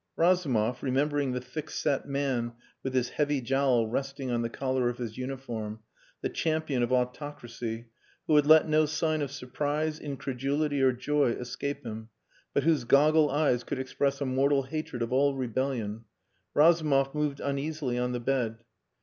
Razumov, remembering the thick set man with his heavy jowl resting on the collar of his uniform, the champion of autocracy, who had let no sign of surprise, incredulity, or joy escape him, but whose goggle eyes could express a mortal hatred of all rebellion Razumov moved uneasily on the bed.